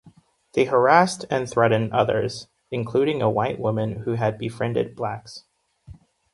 They harassed and threatened others, including a white woman who had befriended blacks.